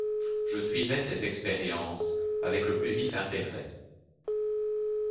Je suivais ces expériences avec le plus vif intérêt.